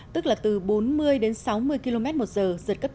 tức là từ bốn mươi đến sáu mươi km một giờ giật cấp tám